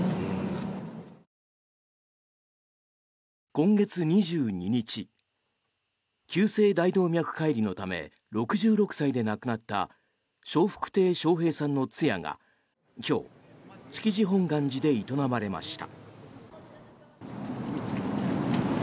今月２２日急性大動脈解離のため６６歳で亡くなった笑福亭笑瓶さんの通夜が今日、築地本願寺で営まれました。